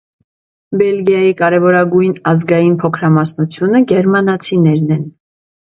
Բելգիայի կարևորագույն ազգային փոքրամասնությունը գերմանացիներն են։